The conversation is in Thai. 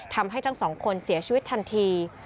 ทั้งสองคนเสียชีวิตทันที